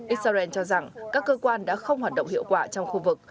israel cho rằng các cơ quan đã không hoạt động hiệu quả trong khu vực